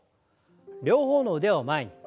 両方の腕を前に。